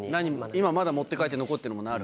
今まだ持って帰って残ってるものあるの？